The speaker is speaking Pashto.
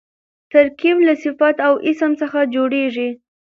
ترکیب له صفت او اسم څخه جوړېږي.